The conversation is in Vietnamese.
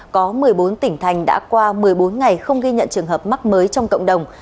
có một mươi bốn tỉnh thành đã qua một mươi bốn ngày không ghi nhận trường hợp mắc mới trong cộng đồng